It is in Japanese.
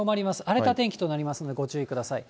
荒れた天気となりますので、ご注意ください。